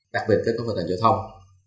đặc biệt kết thúc phát triển giao thông